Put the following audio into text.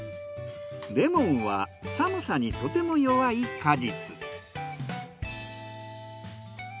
レモンは寒さにとても弱い果実。